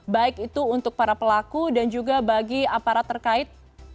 baik itu untuk para pelaku dan juga bagi aparat terkait